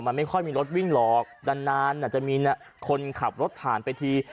มันไม่ค่อยมีรถวิ่งหรอกนานจะมีคนขับรถผ่านไปที